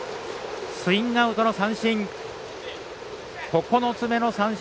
スイングアウトの三振。